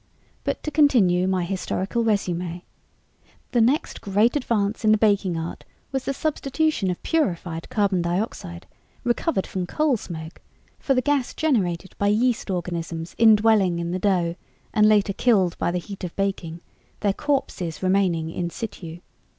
T. But to continue my historical resume, the next great advance in the baking art was the substitution of purified carbon dioxide, recovered from coal smoke, for the gas generated by yeast organisms indwelling in the dough and later killed by the heat of baking, their corpses remaining in situ.